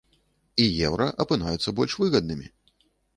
І еўра апынаюцца больш выгаднымі!